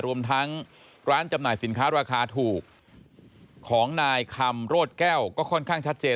รวมทั้งร้านจำหน่ายสินค้าราคาถูกของนายคำโรดแก้วก็ค่อนข้างชัดเจน